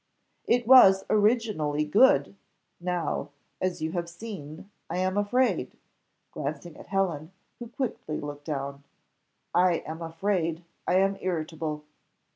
It was originally good, now, as you have seen, I am afraid" glancing at Helen, who quickly looked down, "I am afraid I am irritable."